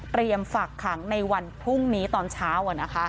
เตรียมฝากขังในวันพรุ่งนี้ตอนเช้าอ่ะนะคะ